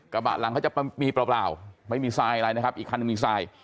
กระบะหลังเขาจะมีเปล่าไม่มีทรายอะไรนะครับอีกคันหนึ่งมีทราย